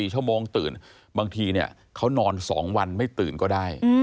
๔ชั่วโมงตื่นบางทีเขานอน๒วันไม่ตื่นก็ได้